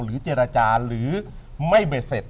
เจรจาหรือไม่เบ็ดเสร็จ